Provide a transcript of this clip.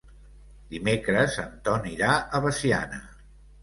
Dimecres en Ton irà a Veciana.